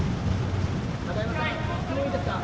永山さん、質問いいですか？